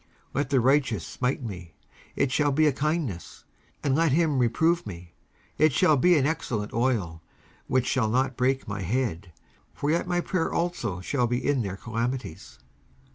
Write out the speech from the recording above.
19:141:005 Let the righteous smite me; it shall be a kindness: and let him reprove me; it shall be an excellent oil, which shall not break my head: for yet my prayer also shall be in their calamities.